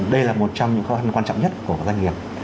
đây là một trong những khó khăn quan trọng nhất của doanh nghiệp